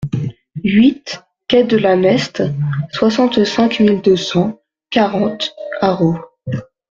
huit quai de la Neste, soixante-cinq mille deux cent quarante Arreau